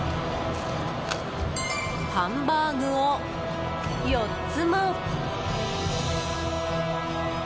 ハンバーグを４つも。